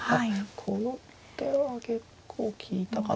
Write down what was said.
この手は結構利いたかな。